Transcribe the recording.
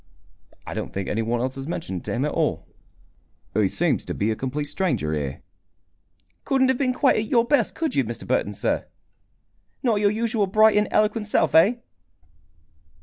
"I don't think any one else has mentioned it to him at all. He seems to be a complete stranger here." "Couldn't have been quite at your best, could you, Mr. Burton, sir? Not your usual bright and eloquent self, eh?"